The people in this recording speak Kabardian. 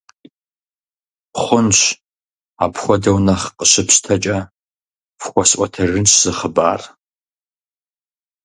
Хъунщ, апхуэдэу нэхъ къыщыпщтэкӀэ, фхуэсӀуэтэжынщ зы хъыбар.